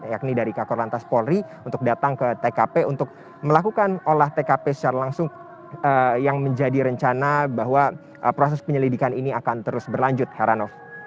yakni dari kakor lantas polri untuk datang ke tkp untuk melakukan olah tkp secara langsung yang menjadi rencana bahwa proses penyelidikan ini akan terus berlanjut heranov